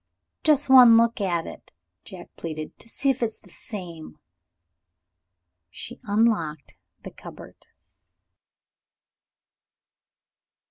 "Just one look at it," Jack pleaded, "to see if it's the same." She unlocked the cupboard.